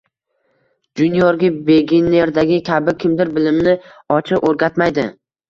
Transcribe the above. Juniorga beginnerdagi kabi kimdir bilimni ochiq o’rgatmaydi